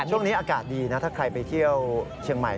ช่วงนี้อากาศดีนะถ้าใครไปเที่ยวเชียงใหม่